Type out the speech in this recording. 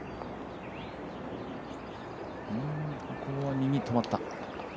右に止まった。